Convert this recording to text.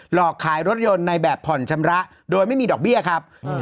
หลอกขายรถยนต์ในแบบผ่อนชำระโดยไม่มีดอกเบี้ยครับ